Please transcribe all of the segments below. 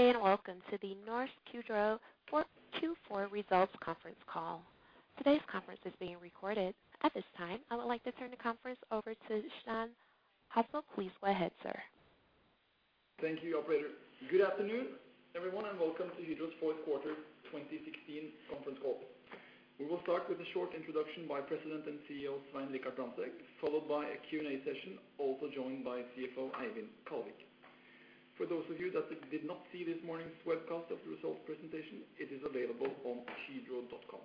Welcome to the Norsk Hydro Q4 Results Conference Call. Today's conference is being recorded. At this time, I would like to turn the conference over to Stian Hasle. Please go ahead, sir. Thank you, operator. Good afternoon, everyone, and welcome to Hydro's fourth quarter 2016 conference call. We will start with a short introduction by President and CEO Svein Richard Brandtzæg, followed by a Q&A session, also joined by CFO Eivind Kallevik. For those of you that did not see this morning's webcast of the results presentation, it is available on hydro.com.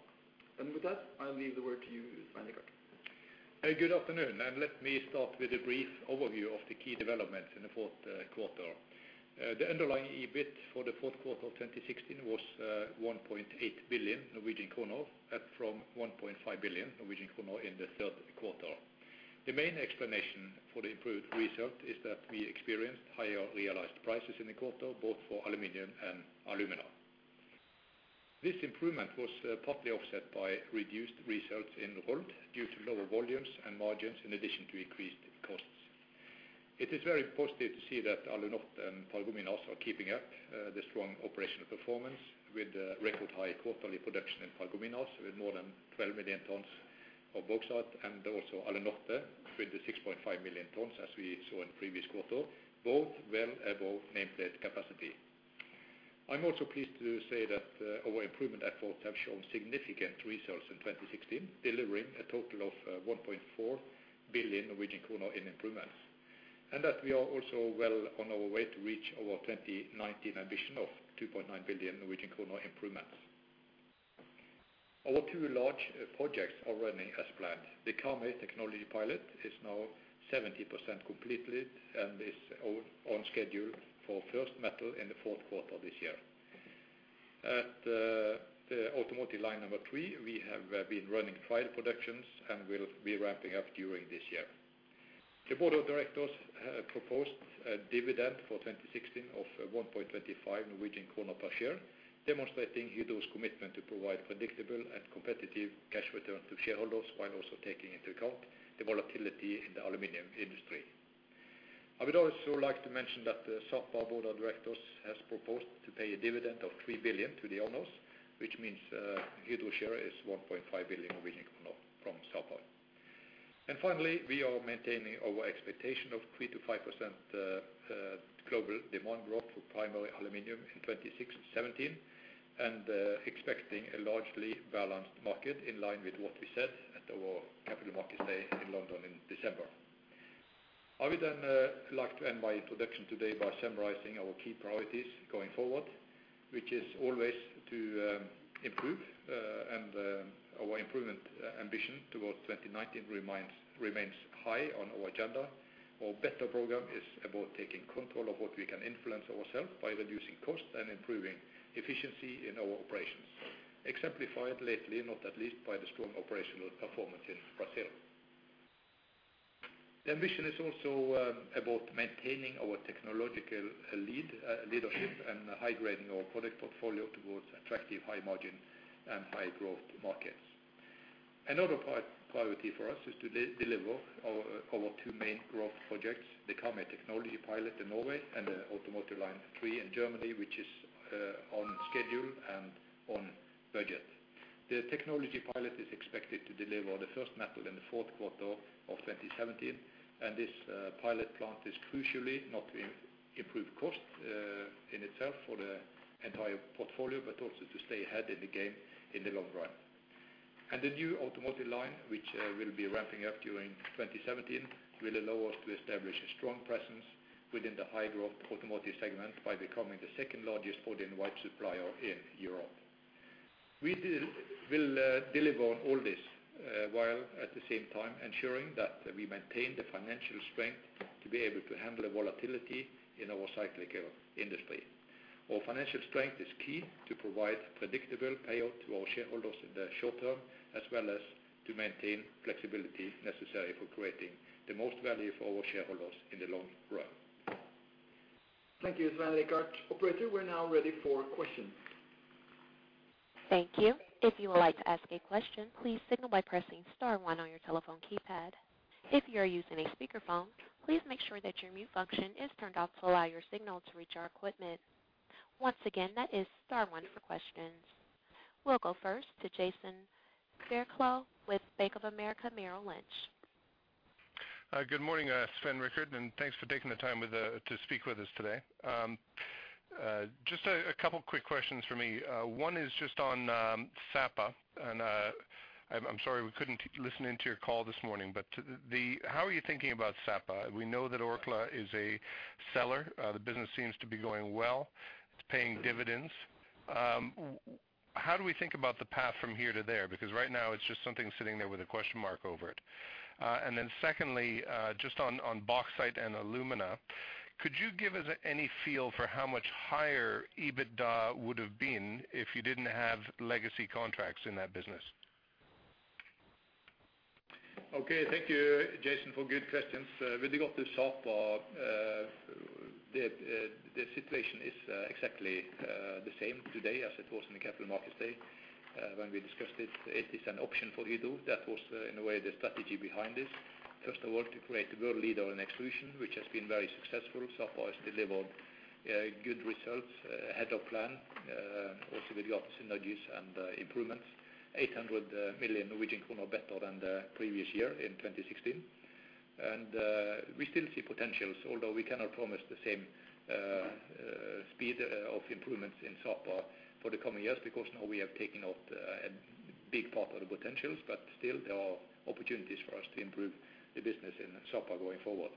With that, I'll leave the word to you, Svein Richard. Good afternoon, let me start with a brief overview of the key developments in the fourth quarter. The underlying EBIT for the fourth quarter of 2016 was 1.8 billion Norwegian kroner, up from 1.5 billion Norwegian kroner in the third quarter. The main explanation for the improved result is that we experienced higher realized prices in the quarter, both for aluminum and alumina. This improvement was partly offset by reduced results in Roll, due to lower volumes and margins, in addition to increased costs. It is very positive to see that Alunorte and Paragominas are keeping up the strong operational performance with record high quarterly production in Paragominas, with more than 12 million tons of bauxite, and also Alunorte with the 6.5 million tons, as we saw in the previous quarter, both well above nameplate capacity. I'm also pleased to say that our improvement efforts have shown significant results in 2016, delivering a total of 1.4 billion Norwegian kroner in improvements. That we are also well on our way to reach our 2019 ambition of 2.9 billion improvements. Our two large projects are running as planned. The Karmøy technology pilot is now 70% completed and is on schedule for first metal in the fourth quarter this year. At the automotive line number three, we have been running trial productions and will be ramping up during this year. The Board of directors proposed a dividend for 2016 of 1.25 Norwegian kroner per share, demonstrating Hydro's commitment to provide predictable and competitive cash return to shareholders, while also taking into account the volatility in the aluminum industry. I would also like to mention that the Sapa Board of Directors has proposed to pay a dividend of 3 billion to the owners, which means, Hydro share is 1.5 billion from Sapa. Finally, we are maintaining our expectation of 3%-5% global demand growth for primary aluminum in 2017, and expecting a largely balanced market in line with what we said at our Capital Markets Day in London in December. I would then like to end my introduction today by summarizing our key priorities going forward, which is always to improve and our improvement ambition towards 2019 remains high on our agenda. Our Better Program is about taking control of what we can influence ourselves by reducing costs and improving efficiency in our operations. Exemplified lately, not at least by the strong operational performance in Brazil. The ambition is also about maintaining our technological lead, leadership and high grading our product portfolio towards attractive high margin and high growth markets. Another priority for us is to deliver our two main growth projects, the Karmøy technology pilot in Norway and the automotive line 3 in Germany, which is on schedule and on budget. The technology pilot is expected to deliver the first metal in the fourth quarter of 2017, and this pilot plant is crucial, not only to improve costs in itself for the entire portfolio, but also to stay ahead in the game in the long run. The new automotive line, which will be ramping up during 2017, will allow us to establish a strong presence within the high growth automotive segment by becoming the second-largest body-in-white supplier in Europe. We will deliver on all this while at the same time ensuring that we maintain the financial strength to be able to handle the volatility in our cyclical industry. Our financial strength is key to provide predictable payout to our shareholders in the short-term, as well as to maintain flexibility necessary for creating the most value for our shareholders in the long run. Thank you, Svein Richard Brandtzæg. Operator, we're now ready for questions. Thank you. If you would like to ask a question, please signal by pressing Star one on your telephone keypad. If you are using a speakerphone, please make sure that your mute function is turned off to allow your signal to reach our equipment. Once again, that is Star one for questions. We'll go first to Jason Fairclough with Bank of America Merrill Lynch. Good morning, Svein Richard, and thanks for taking the time to speak with us today. Just a couple quick questions from me. One is just on Sapa, and I'm sorry, we couldn't listen into your call this morning. How are you thinking about Sapa? We know that Orkla is a seller. The business seems to be going well. It's paying dividends. How do we think about the path from here to there? Because right now it's just something sitting there with a question mark over it. Secondly, just on bauxite and alumina, could you give us any feel for how much higher EBITDA would have been if you didn't have legacy contracts in that business? Okay. Thank you, Jason, for good questions. With regard to Sapa, the situation is exactly the same today as it was in the Capital Markets Day, when we discussed it. It is an option for you, though. That was in a way the strategy behind this. First of all, to create a world leader in extrusion, which has been very successful. Sapa has delivered good results ahead of plan. Also with the synergies and improvements, 800 million Norwegian kroner better than the previous year in 2016. We still see potentials, although we cannot promise the same speed of improvements in Sapa for the coming years, because now we have taken out a big part of the potentials. Still there are opportunities for us to improve the business in Sapa going forward.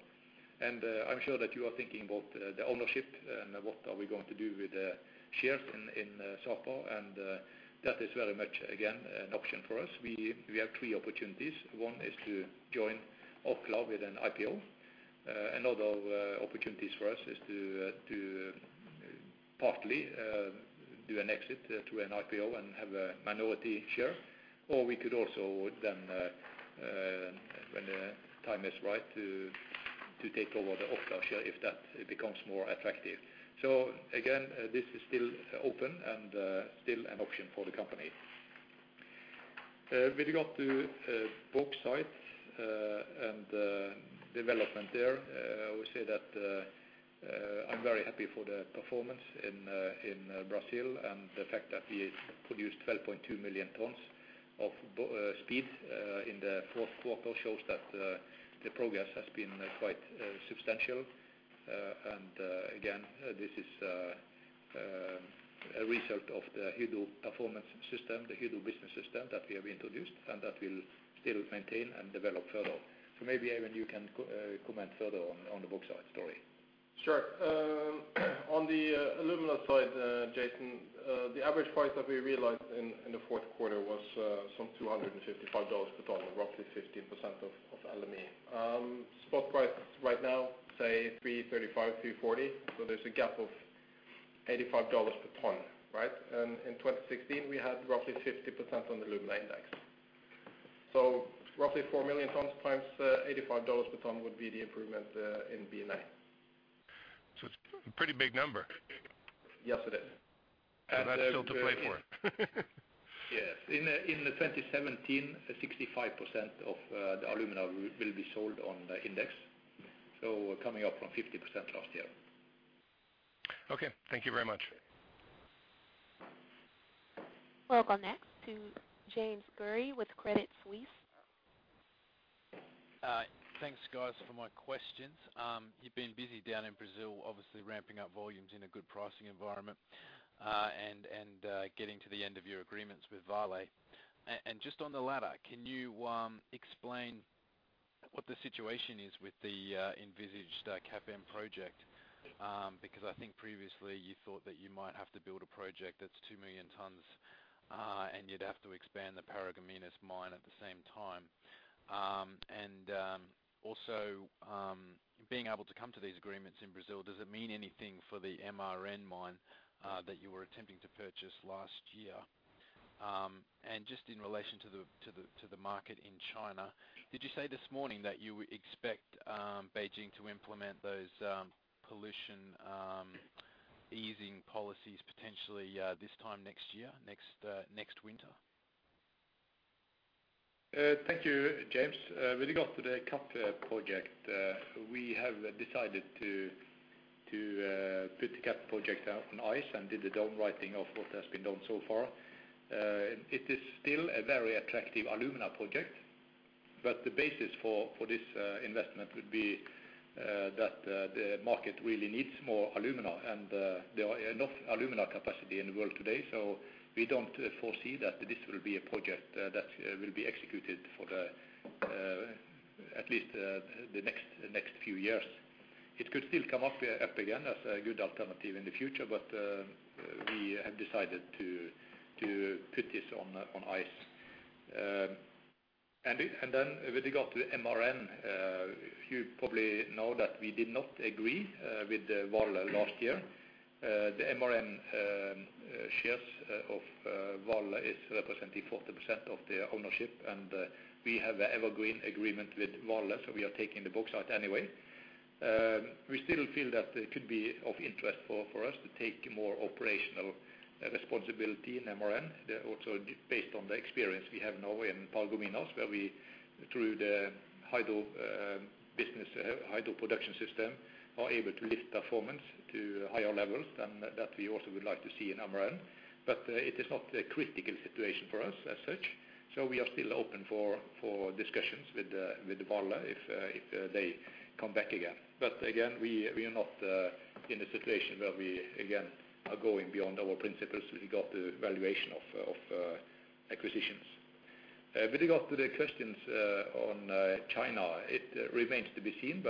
I'm sure that you are thinking about the ownership and what we are going to do with the shares in Sapa, and that is very much again an option for us. We have three opportunities. One is to join Orkla with an IPO. Another opportunity for us is to partly do an exit through an IPO and have a minority share. Or we could also, when the time is right, to take over the Orkla share if that becomes more attractive. Again, this is still open and still an option for the company. With regard to bauxite and development there, we say that I'm very happy for the performance in Brazil, and the fact that we produced 12.2 million tons of bauxite in the fourth quarter shows that the progress has been quite substantial. Again, this is a result of the Hydro performance system, the Hydro business system that we have introduced and that will still maintain and develop further. Maybe Eivind, you can comment further on the bauxite story. Sure. On the alumina side, Jason, the average price that we realized in the fourth quarter was some $255 per ton, roughly 15% of LME. Spot price right now, say $335-$340. There's a gap of $85 per ton, right? In 2016 we had roughly 50% on the alumina index. Roughly 4 million tons times $85 per ton would be the improvement in B&A. It's a pretty big number. Yes, it is. That's still to play for. Yes. In 2017, 65% of the alumina will be sold on the index. Coming up from 50% last year. Okay. Thank you very much. Welcome next to James Gurry with Credit Suisse. Thanks guys for my questions. You've been busy down in Brazil, obviously ramping up volumes in a good pricing environment, and getting to the end of your agreements with Vale. Just on the latter, can you explain what the situation is with the envisaged CAP project? Because I think previously you thought that you might have to build a project that's 2 million tons, and you'd have to expand the Paragominas mine at the same time. Also, being able to come to these agreements in Brazil, does it mean anything for the MRN mine that you were attempting to purchase last year? Just in relation to the market in China, did you say this morning that you expect Beijing to implement those pollution easing policies potentially this time next year, next winter? Thank you, James. With regard to the CAP project, we have decided to put the CAP project on ice and did the write-down of what has been done so far. It is still a very attractive alumina project, but the basis for this investment would be that the market really needs more alumina and there are enough alumina capacity in the world today. We don't foresee that this will be a project that will be executed for at least the next few years. It could still come up again as a good alternative in the future, but we have decided to put this on ice. Then with regard to MRN, you probably know that we did not agree with Vale last year. The MRN shares of Vale is representing 40% of the ownership, and we have an evergreen agreement with Vale, so we are taking the bauxite anyway. We still feel that it could be of interest for us to take more operational responsibility in MRN. Also based on the experience we have now in Paragominas, where we, through the Hydro business Hydro production system, are able to lift performance to higher levels. That we also would like to see in MRN. It is not a critical situation for us as such. We are still open for discussions with Vale if they come back again. Again, we are not in a situation where we again are going beyond our principles. We got the valuation of acquisitions. With regard to the questions on China, it remains to be seen,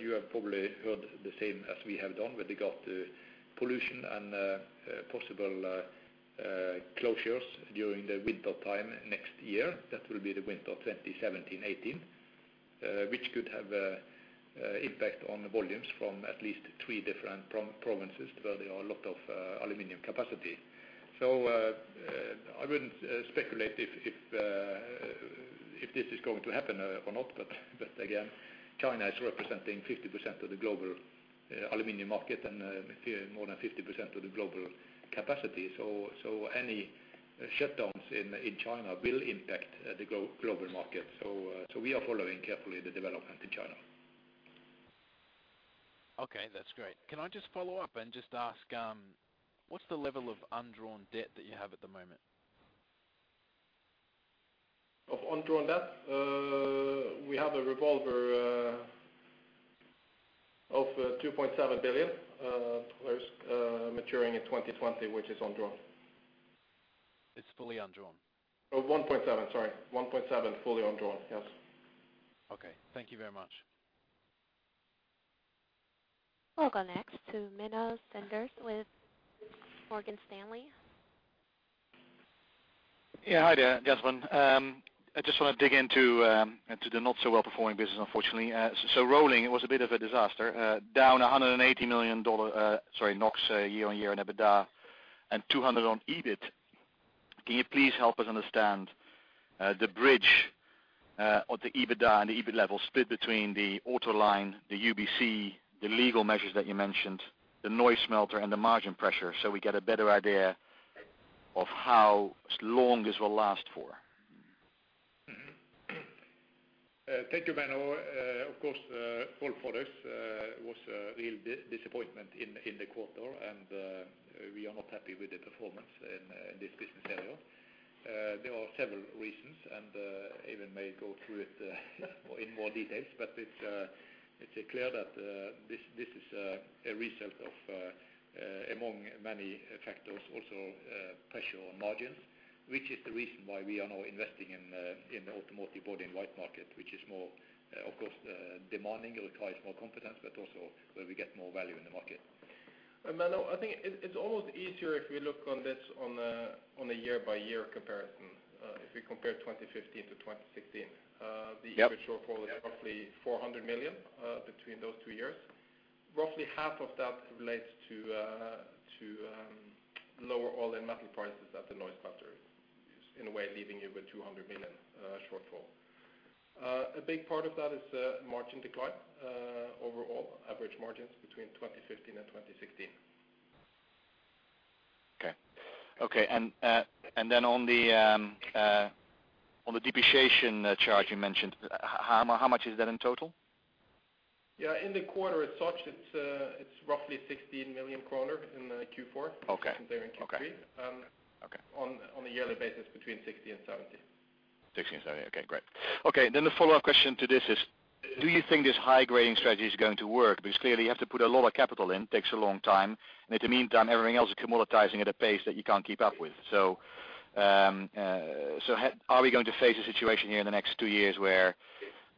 you have probably heard the same as we have done with regard to pollution and possible closures during the winter time next year. That will be the winter 2017-2018, which could have an impact on the volumes from at least three different provinces where there are a lot of aluminum capacity. I wouldn't speculate if this is going to happen or not. Again, China is representing 50% of the global aluminum market and more than 50% of the global capacity. Any shutdowns in China will impact the global market. We are following carefully the development in China. Okay, that's great. Can I just follow-up and just ask, what's the level of undrawn debt that you have at the moment? Of undrawn debt? We have a revolver of NOK 2.7 billion, first, maturing in 2020, which is undrawn. It's fully undrawn? 1.7 million fully undrawn, yes. Okay. Thank you very much. We'll go next to Menno Sanderse with Morgan Stanley. Yeah, hi there, gentlemen. I just wanna dig into the not so well-performing business, unfortunately. Rolled Products, it was a bit of a disaster. Down NOK 180 million year-on-year in EBITDA, and 200 million on EBIT. Can you please help us understand the bridge or the EBITDA and EBIT level split between the auto line, the UBC, the legal measures that you mentioned, the Neuss smelter, and the margin pressure so we get a better idea of how long this will last for? Thank you, Menno. Of course, Rolled Products was a real disappointment in the quarter, and we are not happy with the performance in this business area. There are several reasons, and Eivind may go through it in more details. It's clear that this is a result of, among many factors also, pressure on margins, which is the reason why we are now investing in the automotive body-in-white market, which is more, of course, demanding. It requires more competence, but also where we get more value in the market. Menno, I think it's almost easier if we look at this on a year-by-year comparison, if we compare 2015 to 2016. Yep. EBIT shortfall is roughly 400 million between those two years. Roughly half of that relates to lower oil and metal prices at the Neuss smelter, in a way leaving you with 200 million shortfall. A big part of that is margin decline overall average margins between 2015 and 2016. Okay. On the depreciation charge you mentioned, how much is that in total? Yeah, in the quarter as such, it's roughly 16 million kroner in Q4. Okay. Similar in Q3. Okay. On a yearly basis between 60 million and 70 million. 60 and 70. Okay, great. Okay, the follow-up question to this is, do you think this high-grading strategy is going to work? Because clearly you have to put a lot of capital in, takes a long time, and in the meantime, everything else is commoditizing at a pace that you can't keep up with. So, are we going to face a situation here in the next two years where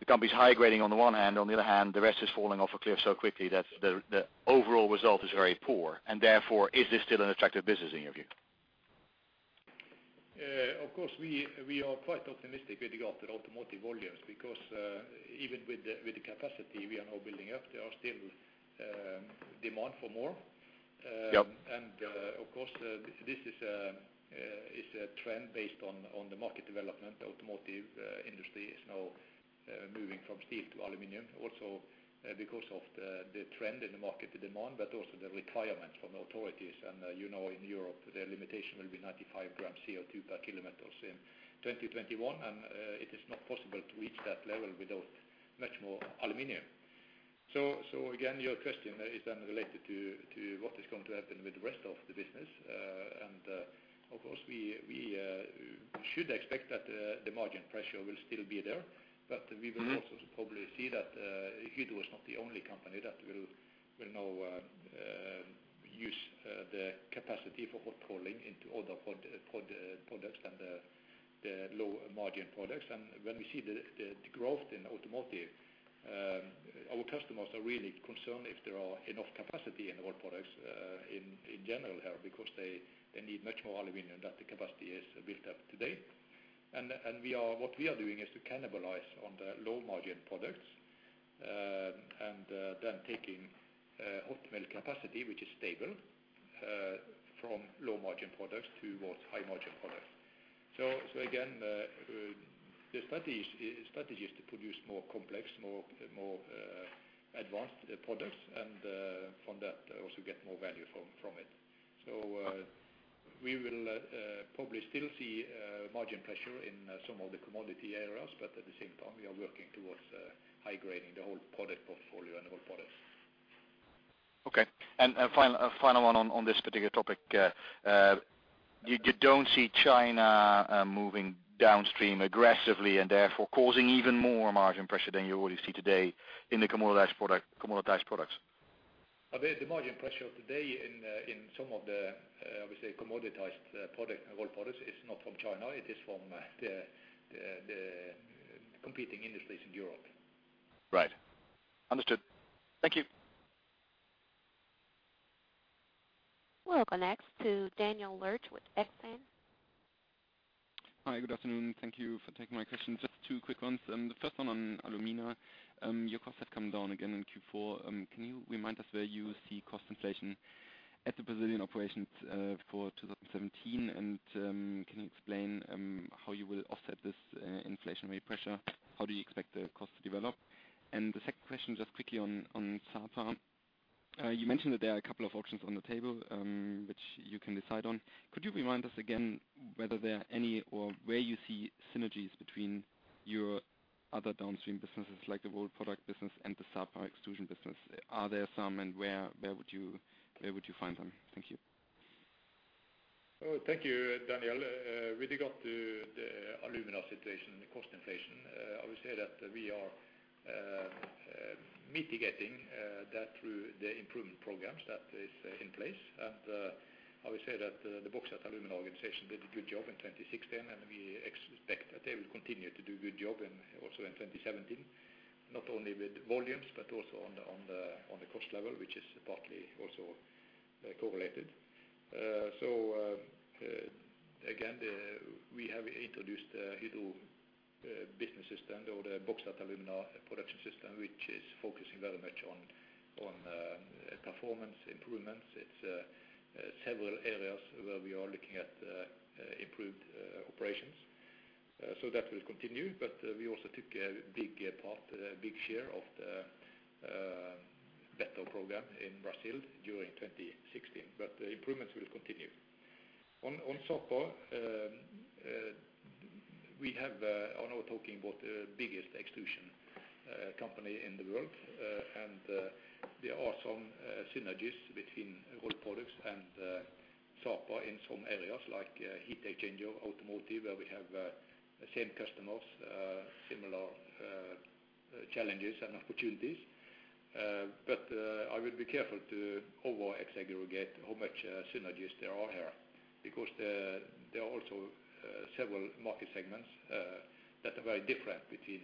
the company's high-grading on the one hand, on the other hand, the rest is falling off a cliff so quickly that the overall result is very poor? Therefore, is this still an attractive business in your view? Of course, we are quite optimistic with regard to automotive volumes because even with the capacity we are now building up, there are still demand for more. Yep. Of course, this is a trend based on the market development. Automotive industry is now moving from steel to aluminum. Also, because of the trend in the market demand, but also the requirement from authorities. You know, in Europe, the limitation will be 95 grams CO2 per kilometers in 2021, and it is not possible to reach that level without much more aluminum. Again, your question is related to what is going to happen with the rest of the business. Of course, we should expect that the margin pressure will still be there. We will also probably see that Hydro is not the only company that will now use the capacity for hot rolling into other products than the low-margin products. When we see the growth in automotive, our customers are really concerned if there are enough capacity in the Rolled Products in general here because they need much more aluminum than the capacity is built up today. What we are doing is to cannibalize on the low-margin products and then taking optimal capacity, which is stable, from low-margin products towards high-margin products. Again, the strategy is to produce more complex, more advanced products and from that also get more value from it. We will probably still see margin pressure in some of the commodity areas, but at the same time, we are working towards high-grading the whole product portfolio and the Rolled Products. Okay. Final one on this particular topic. You don't see China moving downstream aggressively and therefore causing even more margin pressure than you already see today in the commoditized product, commoditized products? The margin pressure of today in some of the we say commoditized product, Rolled Products, is not from China. It is from the competing industries in Europe. Right. Understood. Thank you. We'll go next to Daniel Lurch with Exane. Hi, good afternoon. Thank you for taking my questions. Just two quick ones. The first one on alumina. Your costs have come down again in Q4. Can you remind us where you see cost inflation at the Brazilian operations for 2017? Can you explain how you will offset this inflationary pressure? How do you expect the cost to develop? The second question, just quickly on Sapa. You mentioned that there are a couple of options on the table which you can decide on. Could you remind us again whether there are any, or where you see synergies between your other downstream businesses like the Rolled Products business and the Sapa extrusion business? Are there some, and where would you find them? Thank you. Oh, thank you, Daniel. With regard to the alumina situation and the cost inflation, I would say that we are mitigating that through the improvement programs that is in place. I would say that the Bauxite & Alumina organization did a good job in 2016, and we expect that they will continue to do good job and also in 2017, not only with volumes but also on the cost level, which is partly also correlated. Again, we have introduced, you know, business system or the Bauxite & Alumina production system, which is focusing very much on performance improvements. It's several areas where we are looking at improved operations. That will continue. We also took a big share of the Better Program in Brazil during 2016. The improvements will continue. On Sapa, we have, I know we're talking about the biggest extrusion company in the world. There are some synergies between Rolled Products and Sapa in some areas like heat exchanger, automotive, where we have the same customers, similar challenges and opportunities. I would be careful to over-exaggerate how much synergies there are here because there are also several market segments that are very different between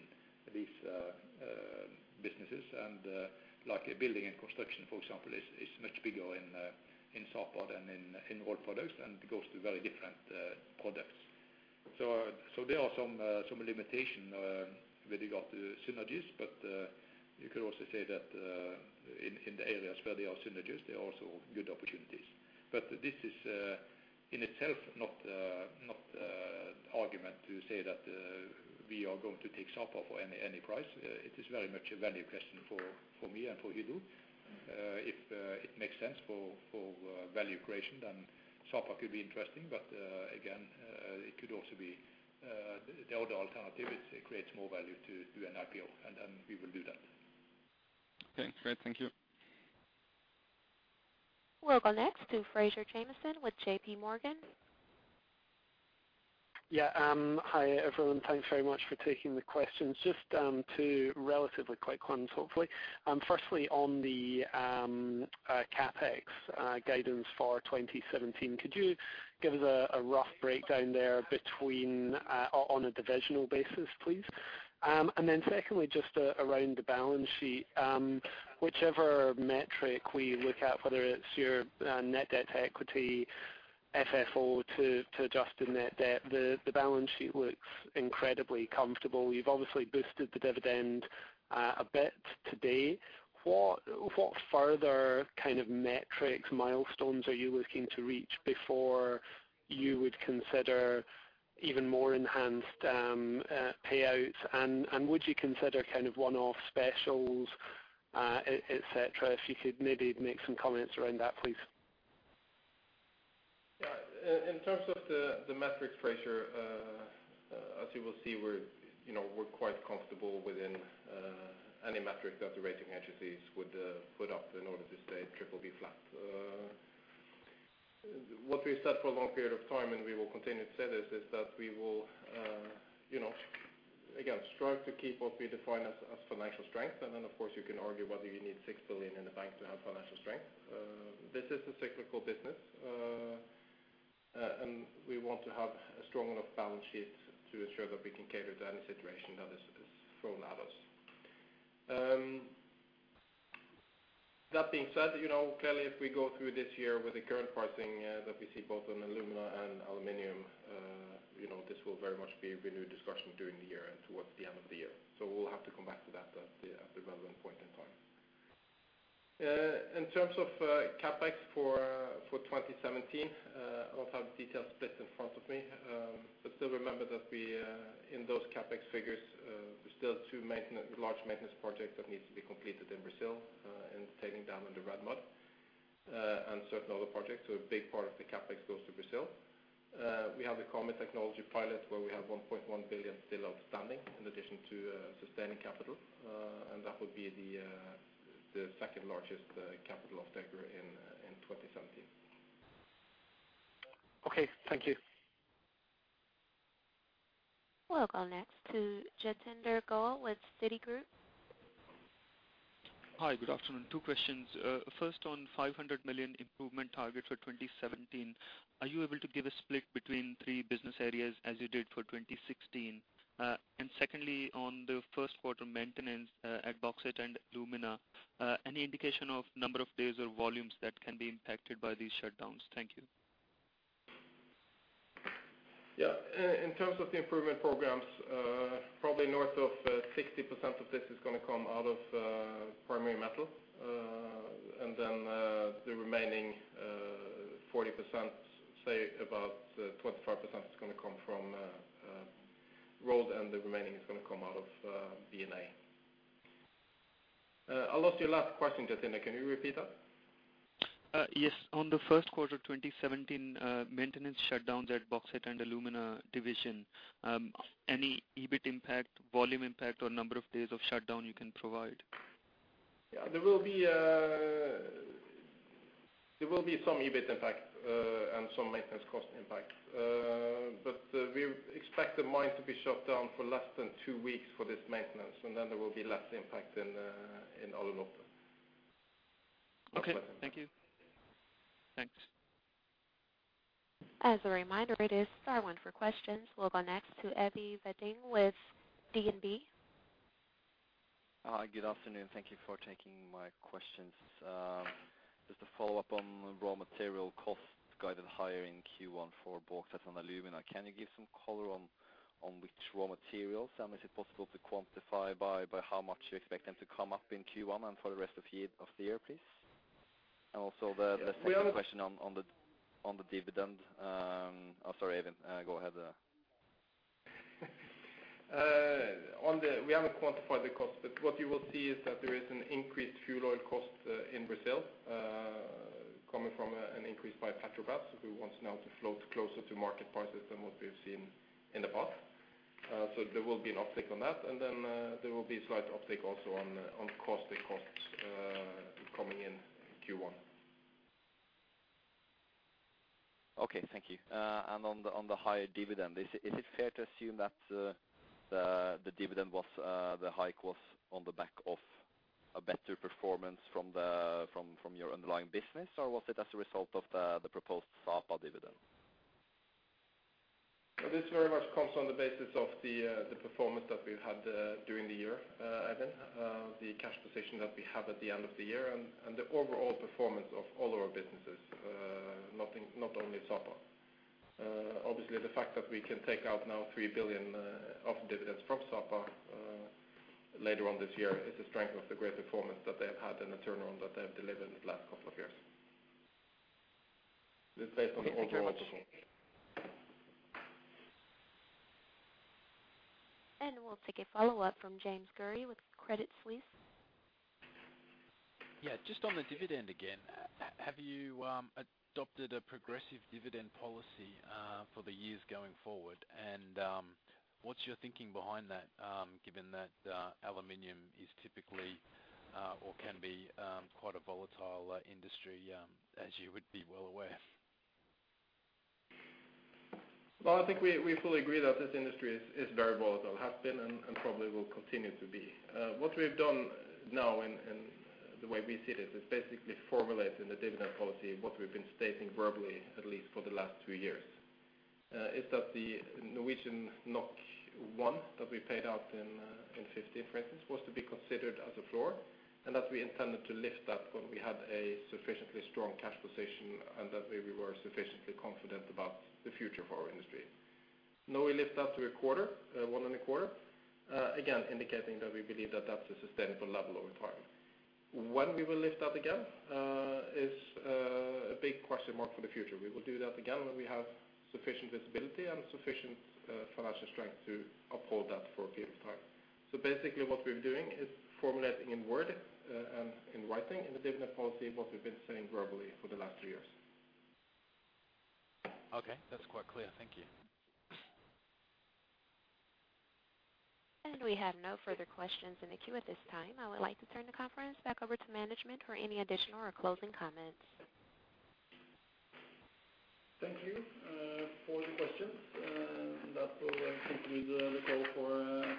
these businesses. Like a building and construction, for example, is much bigger in Sapa than in Rolled Products and goes to very different products. There are some limitations with regard to synergies, but you could also say that in the areas where there are synergies, there are also good opportunities. This is in itself not an argument to say that we are going to take Sapa for any price. It is very much a value question for me and for Hydro. If it makes sense for value creation, then Sapa could be interesting. Again, it could also be the other alternative is it creates more value to do an IPO and then we will do that. Okay, great. Thank you. We'll go next to Fraser Jamieson with JPMorgan. Hi, everyone. Thanks very much for taking the questions. Just two relatively quick ones, hopefully. Firstly, on the CapEx guidance for 2017, could you give us a rough breakdown there between on a divisional basis, please? And then secondly, just around the balance sheet, whichever metric we look at, whether it's your net debt to equity, FFO to adjusted net debt, the balance sheet looks incredibly comfortable. You've obviously boosted the dividend a bit today. What further kind of metrics, milestones are you looking to reach before you would consider even more enhanced payouts? Would you consider kind of one-off specials et cetera? If you could maybe make some comments around that, please. In terms of the metrics, Fraser, as you will see, you know, we're quite comfortable within any metric that the rating agencies would put up in order to stay BBB flat. What we've said for a long period of time, and we will continue to say this, is that we will, you know, again, strive to keep what we define as financial strength. Of course, you can argue whether you need 6 billion in the bank to have financial strength. This is a cyclical business. We want to have a strong enough balance sheet to ensure that we can cater to any situation that is thrown at us. That being said, you know, clearly if we go through this year with the current pricing that we see both on alumina and aluminum, you know, this will very much be renewed discussion during the year and towards the end of the year. We'll have to come back to that at the relevant point in time. In terms of CapEx for 2017, I don't have the details split in front of me. Still remember that in those CapEx figures, there's still two large maintenance projects that needs to be completed in Brazil, in taking down the red mud, and certain other projects. A big part of the CapEx goes to Brazil. We have the Karmøy technology pilot where we have 1.1 billion still outstanding in addition to sustaining capital. That would be the second-largest capital expenditure in 2017. Okay. Thank you. We'll go next to Jatinder Goel with Citigroup. Hi. Good afternoon. Two questions. First on 500 million improvement target for 2017, are you able to give a split between three business areas as you did for 2016? Secondly, on the first quarter maintenance at Bauxite & Alumina, any indication of number of days or volumes that can be impacted by these shutdowns? Thank you. Yeah. In terms of the improvement programs, probably north of 60% of this is gonna come out of primary metal. The remaining 40%, say about 25% is gonna come from rolled, and the remaining is gonna come out of B&A. I lost your last question, Jatinder. Can you repeat that? Yes. On the first quarter 2017, maintenance shutdowns at Bauxite & Alumina division, any EBIT impact, volume impact, or number of days of shutdown you can provide? Yeah. There will be some EBIT impact, and some maintenance cost impact. We expect the mine to be shut down for less than two weeks for this maintenance, and then there will be less impact in Alunorte. Okay. Thank you. Thanks. As a reminder, it is star one for questions. We'll go next to Eivind Veddeng with DNB. Hi. Good afternoon. Thank you for taking my questions. Just a follow-up on raw material costs guided higher in Q1 for bauxite and alumina. Can you give some color on which raw materials, and is it possible to quantify by how much you expect them to come up in Q1 and for the rest of the year, please? We have a- Second question on the dividend. Sorry, Eivind, go ahead. We haven't quantified the cost, but what you will see is that there is an increased fuel oil cost in Brazil coming from an increase by Petrobras who wants now to float closer to market prices than what we've seen in the past. There will be an uptick on that. There will be a slight uptick also on caustic costs coming in Q1. Okay, thank you. On the higher dividend, is it fair to assume that the hike was on the back of a better performance from your underlying business? Was it as a result of the proposed Sapa dividend? This very much comes on the basis of the performance that we've had during the year, Eivind. The cash position that we have at the end of the year and the overall performance of all our businesses, not only Sapa. Obviously the fact that we can take out now 3 billion of dividends from Sapa later on this year is a strength of the great performance that they have had and the turnaround that they have delivered in the last couple of years. It's based on the overall performance. We'll take a follow-up from James Gurry with Credit Suisse. Yeah. Just on the dividend again, have you adopted a progressive dividend policy for the years going forward? What's your thinking behind that, given that aluminum is typically or can be quite a volatile industry, as you would be well aware? Well, I think we fully agree that this industry is very volatile, has been, and probably will continue to be. What we've done now and the way we see this is basically formulating the dividend policy, what we've been stating verbally at least for the last two years is that the Norwegian 1 that we paid out in 2015, for instance, was to be considered as a floor, and that we intended to lift that when we had a sufficiently strong cash position and that we were sufficiently confident about the future for our industry. Now we lift that to 1.25, again, indicating that we believe that that's a sustainable level over time. When we will lift that again is a big question mark for the future. We will do that again when we have sufficient visibility and sufficient financial strength to uphold that for a period of time. Basically what we're doing is formulating in writing in the dividend policy what we've been saying verbally for the last two years. Okay. That's quite clear. Thank you. We have no further questions in the queue at this time. I would like to turn the conference back over to management for any additional or closing comments. Thank you for the questions. That will conclude the call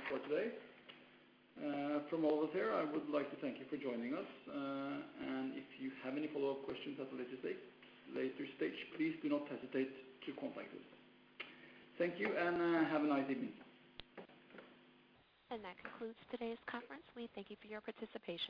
for today. From all of us here, I would like to thank you for joining us. If you have any follow-up questions at a later stage, please do not hesitate to contact us. Thank you, and have a nice evening. That concludes today's conference. We thank you for your participation.